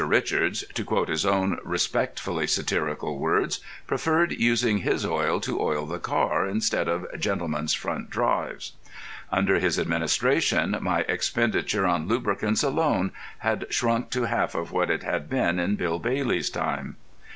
Richards, to quote his own respectfully satirical words, preferred using his oil to oil the car instead of gentlemen's front drives. Under his administration my expenditure on lubricants alone had shrunk to half of what it had been in Bill Bailey's time.